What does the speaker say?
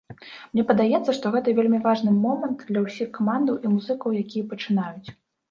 Мне падаецца, што гэта вельмі важны момант для ўсіх камандаў і музыкаў, якія пачынаюць.